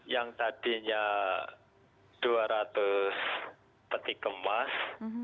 yang tadinya dua ratus peti kemas